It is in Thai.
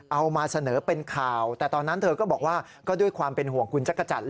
เอามาเสนอเป็นข่าวแต่ตอนนั้นเธอก็บอกว่าก็ด้วยความเป็นห่วงคุณจักรจันทร์